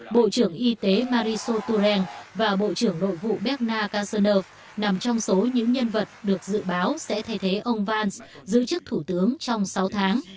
bộ trưởng y tế mariso turen và bộ trưởng nội vụ bekna kasanov nằm trong số những nhân vật được dự báo sẽ thay thế ông valls giữ chức thủ tướng trong sáu tháng